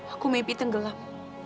aku mimpi tenggelam